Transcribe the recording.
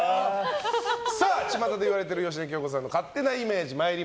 ちまたで言われている芳根京子さんの勝手なイメージ。